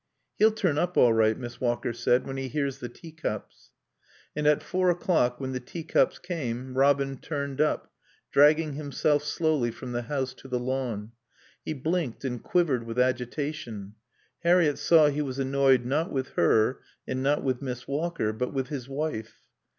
"He'll turn up all right," Miss Walker said, "when he hears the teacups." And at four o'clock when the teacups came, Robin turned up, dragging himself slowly from the house to the lawn. He blinked and quivered with agitation; Harriett saw he was annoyed, not with her, and not with Miss Walker, but with his wife.